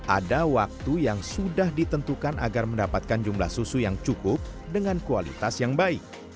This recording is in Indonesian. ada waktu yang sudah ditentukan agar mendapatkan jumlah susu yang cukup dengan kualitas yang baik